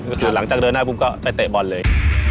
ก็คือหลังจากเดินหน้าปุ๊บก็ไปเตะบอลเลย